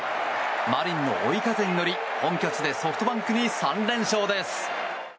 マリンの追い風に乗り、本拠地でソフトバンクに３連勝です。